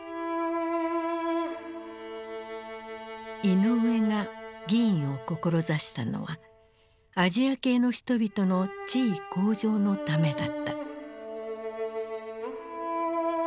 イノウエが議員を志したのはアジア系の人々の地位向上のためだった。